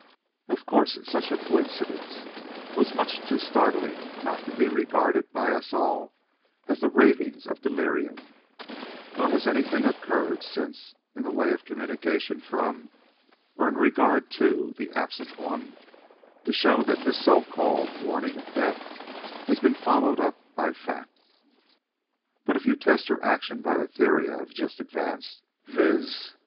"'Of course, such a coincidence was much too startling not to be regarded by us all as the ravings of delirium; nor has anything occurred since in the way of communication from, or in regard to the absent one, to show that this so called warning of death has been followed up by fact. But, if you test her action by the theory I have just advanced, viz.